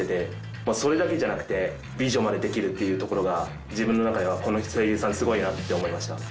まあそれだけじゃなくて美女までできるっていうところが自分の中ではこの声優さんスゴいなって思いました。